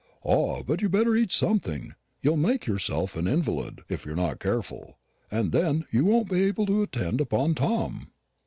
"Ah, but you'd better eat something. You'll make yourself an invalid, if you are not careful; and then you won't be able to attend upon Tom."